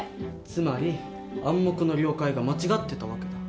つまり「暗黙の了解」が間違ってた訳だ。